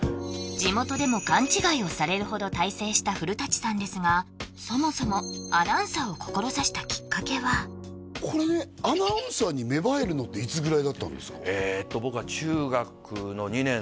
地元でも勘違いをされるほど大成した古さんですがそもそもこれアナウンサーに芽生えるのっていつぐらいだったんですか？